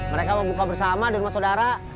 mereka mau buka bersama di rumah saudara